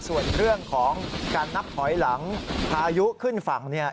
ส่วนเรื่องของการนับถอยหลังพายุขึ้นฝั่ง